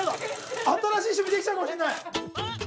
新しい趣味できちゃうかもしんない。